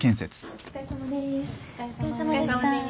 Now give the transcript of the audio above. お疲れさまです。